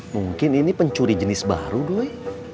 mungkin ini pencuri jenis baru duit